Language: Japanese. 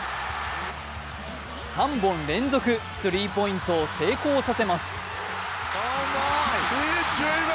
３本連続スリーポイントを成功させます。